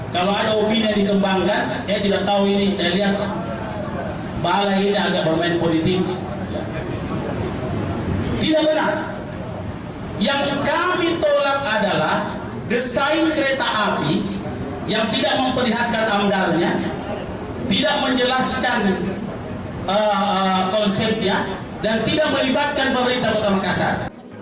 tidak benar yang kami tolak adalah desain kereta api yang tidak memperlihatkan anggalnya tidak menjelaskan konsepnya dan tidak melibatkan pemerintah kota makassar